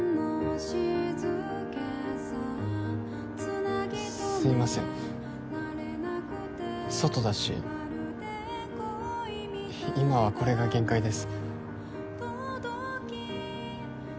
はいあすいません外だし今はこれが限界です